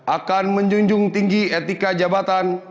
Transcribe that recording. akan menjunjung tinggi etika jabatan